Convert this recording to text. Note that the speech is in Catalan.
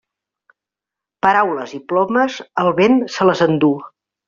Paraules i plomes, el vent se les enduu.